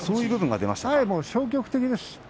消極的です。